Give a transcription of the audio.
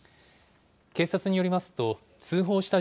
警察によりますと、通報した